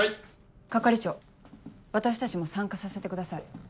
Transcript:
係長私たちも参加させてください。